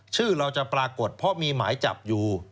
ชื่อเราจะปรากฏเพราะมีหมายจับอยู่